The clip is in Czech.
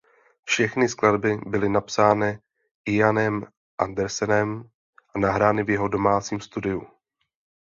Všechny skladby byly napsány Ianem Andersonem a nahrány v jeho domácím studiu.